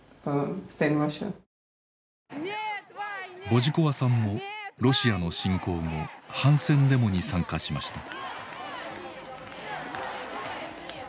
ボジコワさんもロシアの侵攻後反戦デモに参加しました。